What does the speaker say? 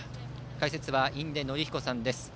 解説は印出順彦さんです。